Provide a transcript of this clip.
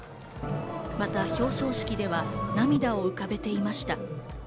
また表彰式では涙を浮かべていました。